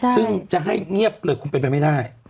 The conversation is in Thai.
ซึ่งจะให้เงียบเลยคุณเป็นไปไม่ได้